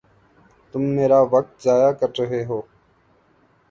تم میرا وقت ضائع کر رہے ہو